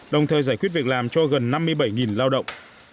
đồng thời giải quyết việc làm cho gần năm mươi bảy lao động